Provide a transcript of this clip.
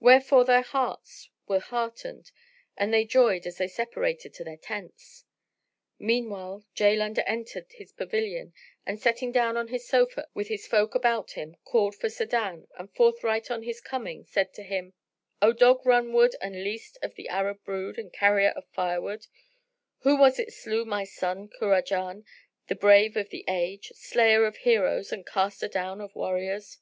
Wherefore their hearts were heartened and they joyed as they separated to their tents. Meanwhile Jaland entered his pavilion and sitting down on his sofa of estate, with his folk about him, called for Sa'adan and forthright on his coming, said to him, "O dog run wood and least of the Arab brood and carrier of firewood, who was it slew my son Kurajan, the brave of the age, slayer of heroes and caster down of warriors?"